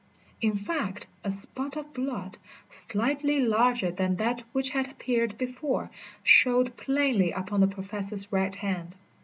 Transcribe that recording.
In fact a spot of blood, slightly larger than that which had appeared before, showed plainly upon the Professor's right hand.